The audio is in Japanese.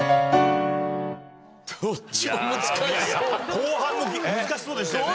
後半難しそうでしたよね！